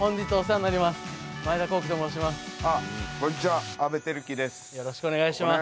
よろしくお願いします。